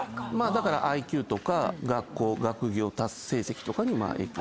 だからＩＱとか学校学業成績とかに影響してくる。